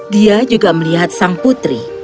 dia juga melihat sang putri